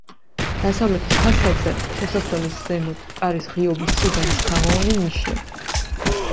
დასავლეთის ფასადზე, შესასვლელის ზემოთ კარის ღიობის სიგანის თაღოვანი ნიშია.